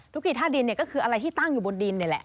ทุกกี่ท่าดินเนี่ยก็คืออะไรที่ตั้งอยู่บนดินนี่แหละ